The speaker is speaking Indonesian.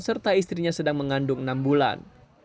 serta istrinya sedang mengandung enam bulan